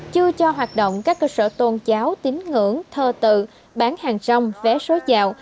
chưa cho hoạt động các cơ sở tôn cháo tính ngưỡng thơ tự bán hàng rong vé số giao